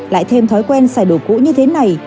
lại thêm thói quen xài đồ cũ như thế này